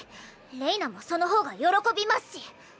れいなもその方が喜びますし。